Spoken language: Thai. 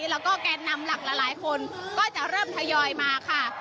แล้วก็แกนนำหลักหลายคนก็จะเริ่มทยอยมาค่ะ